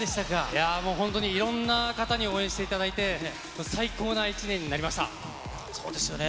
いやもう、本当にいろんな方に応援していただいて、そうですよね。